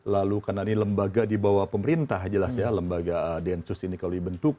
lalu karena ini lembaga di bawah pemerintah jelas ya lembaga densus ini kalau dibentuk